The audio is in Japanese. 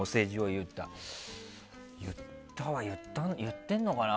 言ったは言ってんのかな。